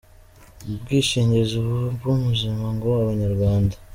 mu bwishingizi bw’ubuzima ngo Abanyarwanda.